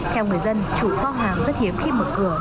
theo người dân chủ kho hàng rất hiếm khi mở cửa